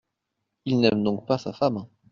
Il n’aime donc pas sa femme ?